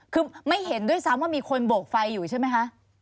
คือไม่เห็นด้วยซ้ำว่ามีคนโบกไฟอยู่ใช่ไหมคะ